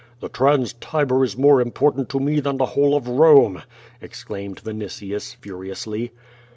"The Trans Tiber is more im]>ortant to me than the whole of Kome!" exclaimed A'initius, furiously.